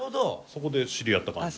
そこで知り合った感じ？